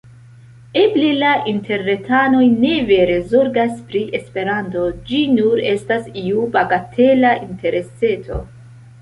Eble la interretantoj ne vere zorgas pri Esperanto, ĝi nur estas iu bagatela intereseto.